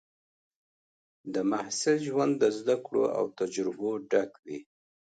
د محصل ژوند د زده کړو او تجربو ډک وي.